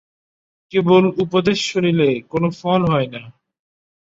কেবল উপদেশ শুনিলে কোন ফল হয় না।